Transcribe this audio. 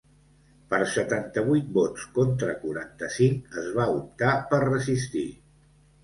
Per setanta-vuit vots contra quaranta-cinc, es va optar per resistir.